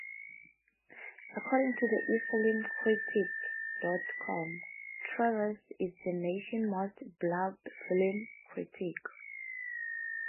According to eFilmCritic dot com, Travers is the nation's most blurbed film critic.